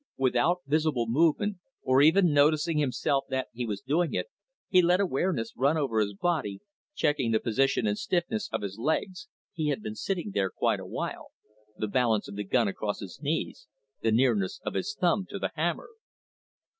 Without visible movement, or even noticing himself that he was doing it, he let awareness run over his body, checking the position and stiffness of his legs he had been sitting there quite a while the balance of the gun across his knees, the nearness of his thumb to the hammer.